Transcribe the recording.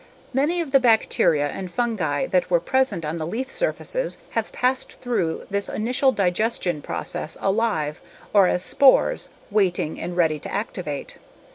Many of the bacteria and fungi that were present on the leaf surfaces have passed through this initial digestion process alive or as spores waiting and ready to activate.